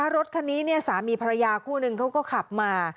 รถคันนี้สามีภรรยาคู่นึงเขาก็ขับมา